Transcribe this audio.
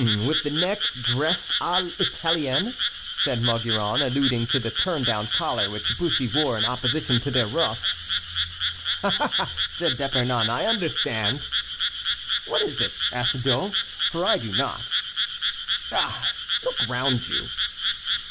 "With the neck dressed à l'Italienne," said Maugiron, alluding to the turn down collar which Bussy wore in opposition to their ruffs. "Ah, ah," said D'Epernon, "I understand." "What is it?" asked D'O, "for I do not." "Ah! look round you."